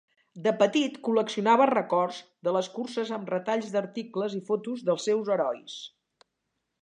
De petit, col·leccionava records de les curses amb retalls d'articles i fotos dels seus herois.